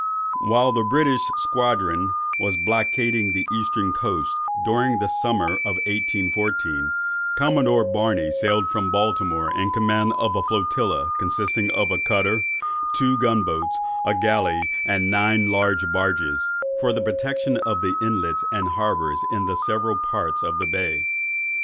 While the British squadron was blockading the eastern coast during the summer of 1814, Commodore Barney sailed from Baltimore in command of a flotilla consisting of a cutter, two gun boats, a galley, and nine large barges, for the protection of the inlets and harbours in the several parts of the bay.